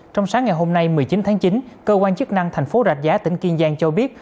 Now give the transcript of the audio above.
trong sáng ngày hôm nay một mươi chín tháng chín cơ quan chức năng thành phố rạch giá tỉnh kiên giang cho biết